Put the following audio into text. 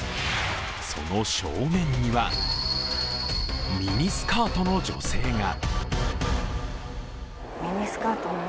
その正面にはミニスカートの女性が。